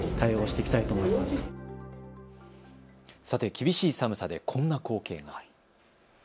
さて、厳しい寒さでこんな光景も。